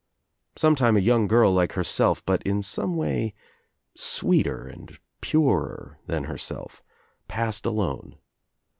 Sometime a young girl like herself but in some way ^tweeter and purer than herself, passed alone.